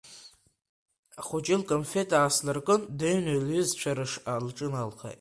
Ахәыҷы лкамфеҭ ааслыркын, дыҩны лҩызцәа рышҟа лҿыналхеит.